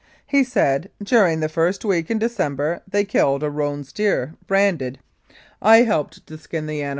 He said: "During the first week in December they killed a roan steer branded. I helped to skin this animal.